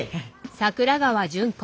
桜川順子。